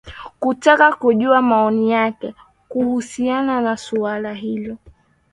kutaka kujua maoni yake kuhusiana na suala hilo